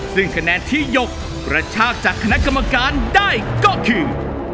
ซึ่งคะแนนที่หยกกระชากจากคณะกรรมการได้ก็คือ